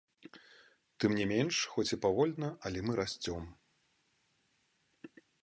Тым не менш, хоць і павольна, але мы расцём.